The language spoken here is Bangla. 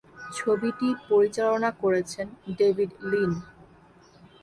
ছবিটি পরিচালনা করেছেন ডেভিড লিন।